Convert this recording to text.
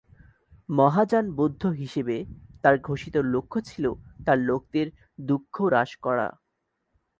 মহাযান বৌদ্ধ হিসেবে, তার ঘোষিত লক্ষ্য ছিল তার লোকদের দুঃখ হ্রাস করা।